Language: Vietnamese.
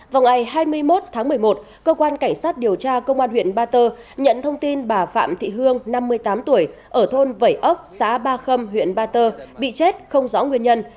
vào ngày hai mươi một tháng một mươi một cơ quan cảnh sát điều tra công an huyện ba tơ nhận thông tin bà phạm thị hương năm mươi tám tuổi ở thôn vẩy ốc xã ba khâm huyện ba tơ bị chết không rõ nguyên nhân